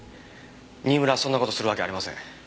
新村はそんな事するわけありません。